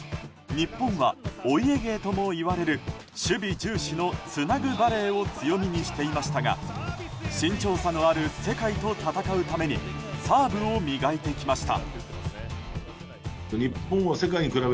日本はお家芸ともいわれる守備重視のつなぐバレーを強みにしていましたが身長差のある世界と戦うためにサーブを磨いてきました。